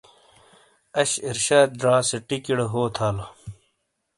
اش ارشاد زا سے ٹِیکیڑے ہو تھالو۔